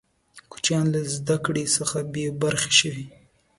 کوچنیان له زده کړي څخه بې برخې شوې.